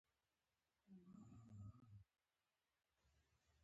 هغه د اوبو یو څاڅکی پیدا کړ.